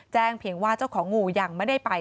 เพียงว่าเจ้าของงูยังไม่ได้ไป